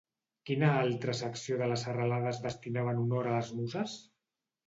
Quina altra secció de la serralada es destinava en honor a les Muses?